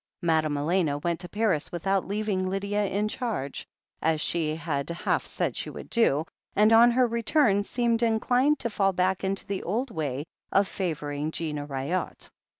Madame Elena went to Paris without leaving Lydia in charge, as she had half said she would do, and on her return seemed inclined to fall back into the old way of favouring Gina Ryott.